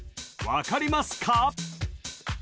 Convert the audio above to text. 分かりますか？